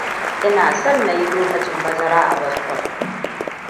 Ina son na yi lokacin bazara a Boston.